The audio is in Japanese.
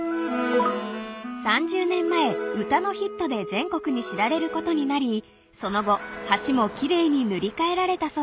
［３０年前歌のヒットで全国に知られることになりその後橋も奇麗に塗り替えられたそうです］